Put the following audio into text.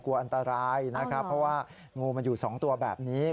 กลัวอันตรายนะครับเพราะว่างูมันอยู่๒ตัวแบบนี้